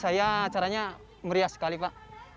saya acaranya meriah sekali pak